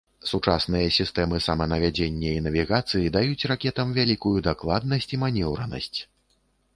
Сучасныя сістэмы саманавядзення і навігацыі даюць ракетам вялікую дакладнасць і манеўранасць.